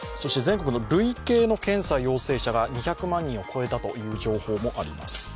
全国の累計の検査陽性者が２００万人を超えたという情報もあります。